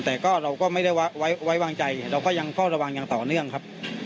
แต่ก็เราก็ไม่ได้ไว้วางใจเราก็ยังเฝ้าระวังอย่างต่อเนื่องครับ